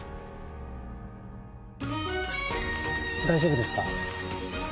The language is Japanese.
大丈夫ですか？